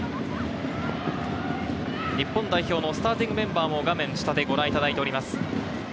日本代表のスターティングメンバーを画面下でご覧いただいています。